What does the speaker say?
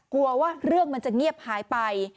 กลัวว่าเรื่องมันจะเงียบหายไป